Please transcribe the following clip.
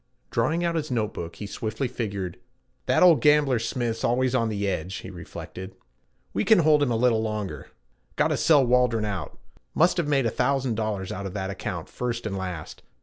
Drawing out his note book he swiftly figured. 'That old gambler Smith's always on the edge,' he reflected. 'We can hold him a little longer. Gotta sell Waldron out. Must have made a thousand dollars out of that account first and last.